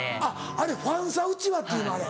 あれファンサうちわっていうの。